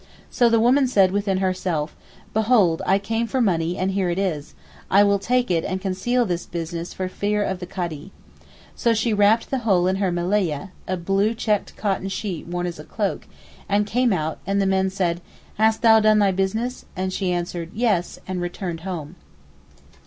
So the woman said within herself, "Behold I came for money and here it is, I will take it and conceal this business for fear of the Kadee." So she wrapped the whole in her melayeh (a blue checked cotton sheet worn as a cloak) and came out, and the men said "Hast thou done thy business?"' and she answered "Yes" and returned home.